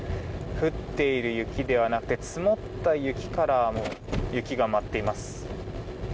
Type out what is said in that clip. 降っている雪ではなくて積もった雪からも雪が舞っています。